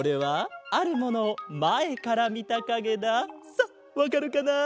さあわかるかな？